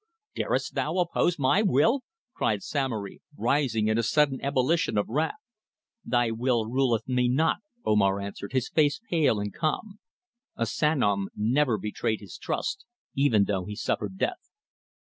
"Darest thou oppose my will?" cried Samory, rising in a sudden ebullition of wrath. "Thy will ruleth me not," Omar answered, his face pale and calm. "A Sanom never betrayed his trust, even though he suffered death."